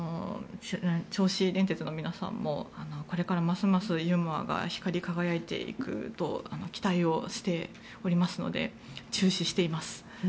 銚子電鉄の皆さんもこれからますますユーモアが光り輝いていくと期待しておりますので注視しています。